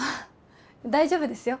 大丈夫ですよ